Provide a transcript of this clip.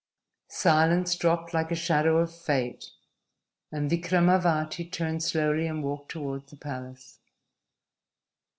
Silence dropped like a shadow of fate, and Vikramavati turned slowly and walked toward the palace.